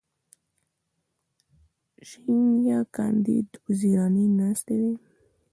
ژینینه کاندید وزیرانې ناستې وې.